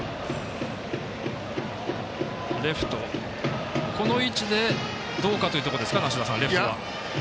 レフト、この位置でどうかというところでしょうか。